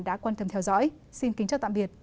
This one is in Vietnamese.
đã quan tâm theo dõi xin kính chào tạm biệt